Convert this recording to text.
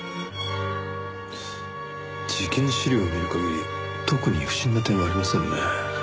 事件資料を見る限り特に不審な点はありませんね。